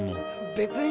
別に。